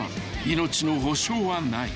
［命の保証はない］